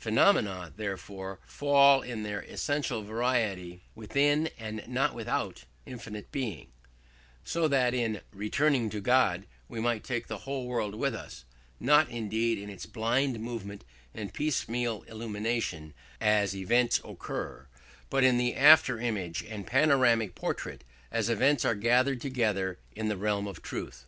Phenomena therefore fall, in their essential variety, within and not without infinite Being: so that in "returning to God" we might take the whole world with us, not indeed in its blind movement and piecemeal illumination, as events occur, but in an after image and panoramic portrait, as events are gathered together in the realm of truth.